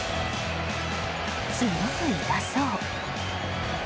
すごく痛そう。